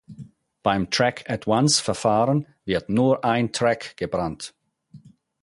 Beim Track-At-Once-Verfahren wird nur ein Track gebrannt.